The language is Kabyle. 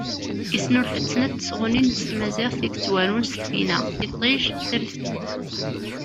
Yesnulfa-d snat n tesɣunin s tmaziɣt i yettwarun s tfinaɣ “Iṭij, Taftilt”.